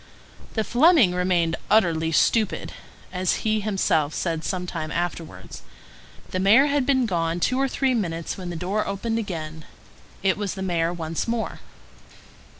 The Fleming remained "utterly stupid," as he himself said some time afterwards. The mayor had been gone two or three minutes when the door opened again; it was the mayor once more.